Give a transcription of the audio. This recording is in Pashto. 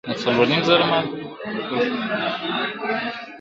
هم چالاکه هم غښتلی هم هوښیار وو !.